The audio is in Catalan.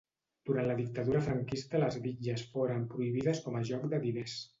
Durant la dictadura franquista les bitlles foren prohibides com a joc de diners.